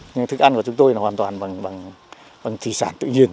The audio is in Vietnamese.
nhưng thức ăn của chúng tôi là hoàn toàn bằng thủy sản tự nhiên